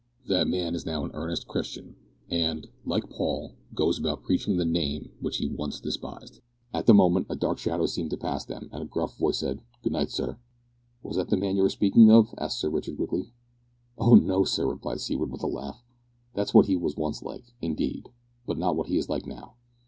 That man is now an earnest Christian, and, like Paul, goes about preaching the Name which he once despised." At the moment a dark shadow seemed to pass them, and a gruff voice said, "Good night, sir." "Was that the man you were speaking of?" asked Sir Richard, quickly. "Oh no, sir," replied Seaward with a laugh; "that's what he was once like, indeed, but not what he is like now.